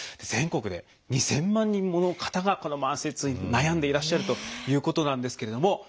全国で２，０００万人もの方がこの慢性痛に悩んでいらっしゃるということなんですけれども。